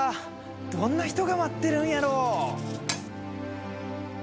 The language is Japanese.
どんな人が待ってるんやろう？